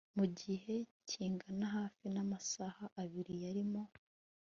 mu gihe kingana hafi namasaha abiri yarimo